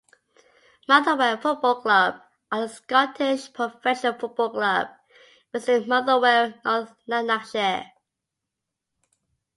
Motherwell Football Club are a Scottish professional football club based in Motherwell, North Lanarkshire.